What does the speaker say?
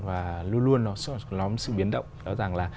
và luôn luôn nó có lắm sự biến động